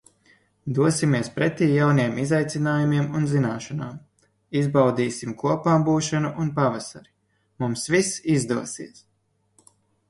Dosimies pretī jauniem izaicinājumiem un zināšanām. Izbaudīsim kopā būšanu un pavasari. Mums viss izdosies!